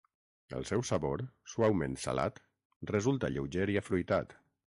El seu sabor, suaument salat, resulta lleuger i afruitat.